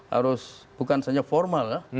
harus bukan saja formal ya